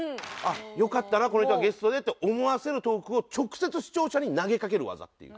「よかったなこの人がゲストで」って思わせるトークを直接視聴者に投げかける技っていう。